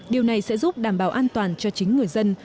điều này sẽ giúp đảm bảo an toàn cho chính người dân